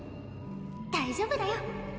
大丈夫だよ。